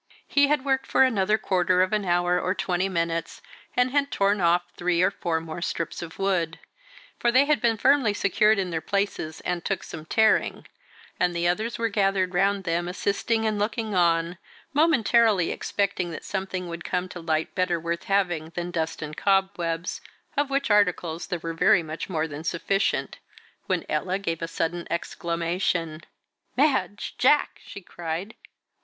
He had worked for another quarter of an hour, or twenty minutes, and had torn off three or four more strips of wood for they had been firmly secured in their places, and took some tearing and the others were gathered round them, assisting and looking on, momentarily expecting that something would come to light better worth having than dust and cobwebs, of which articles there were very much more than sufficient, when Ella gave a sudden exclamation. "Madge! Jack!" she cried.